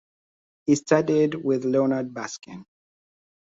He studied with Leonard Baskin.